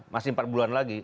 masih empat bulan lagi